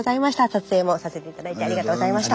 撮影もさせて頂いてありがとうございました。